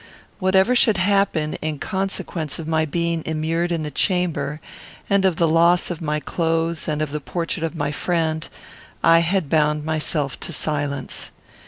Whatever should happen in consequence of my being immured in the chamber, and of the loss of my clothes and of the portrait of my friend, I had bound myself to silence.